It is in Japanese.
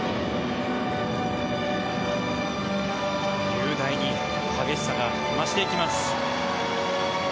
雄大に激しさが増していきます。